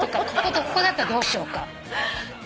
ここだったらどうしようか。